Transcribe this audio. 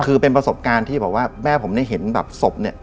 คือเป็นประสบการณ์ที่บอกว่าแม่ผมได้เห็นแบบศพเนี่ย